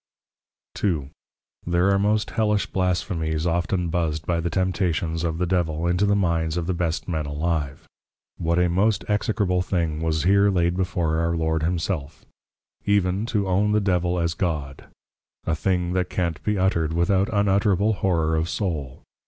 II. There are most Hellish Blasphemies often buzz'd by the Temptations of the Devil, into the minds of the best Men alive. What a most Execrable Thing was here laid before our Lord Himself: Even, To own the Devil as God! a thing that can't be uttered, without unutterable Horror of Soul.